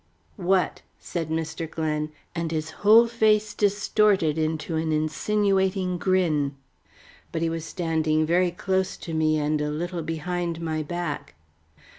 "What?" said Mr. Glen, with his whole face distorted into an insinuating grin. But he was standing very close to me and a little behind my back.